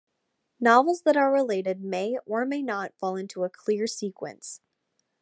Novels that are related may or may not fall into a clear sequence.